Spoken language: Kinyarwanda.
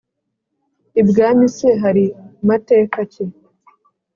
ibwami se hari mateka ki?